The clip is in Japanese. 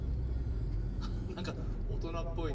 なんかおとなっぽいね。